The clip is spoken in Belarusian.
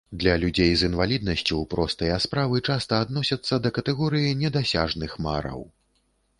Для людзей з інваліднасцю простыя справы часта адносяцца да катэгорыі недасяжных мараў.